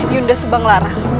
yunda subang lara